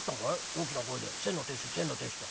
大きな声で『先の亭主先の亭主』って」。